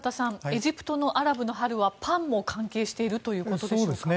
エジプトのアラブの春はパンも関係しているということでしょうか？